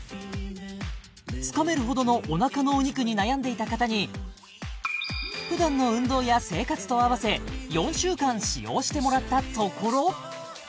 つかめるほどのお腹のお肉に悩んでいた方に普段の運動や生活とあわせ４週間使用してもらったところ